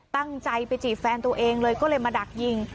ตั้งใจไปจีบแฟนตัวเองเลยก็เลยมาดักยิง